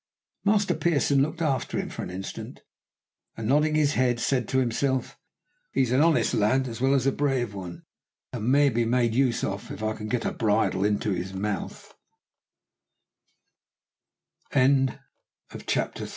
Master Pearson looked after him for an instant, and nodding his head, said to himself, "He is an honest lad as well as a brave one, and may be made of use if I can get a bridle into hi